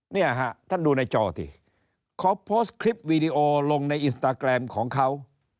เนี่ยฮะท่านดูในจอสิเขาโพสต์คลิปวีดีโอลงในอินสตาแกรมของเขา